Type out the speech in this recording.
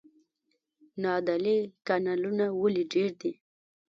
نادعلي کانالونه ولې ډیر دي؟